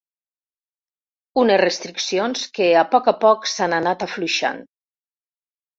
Unes restriccions que a poc a poc s’han anat afluixant.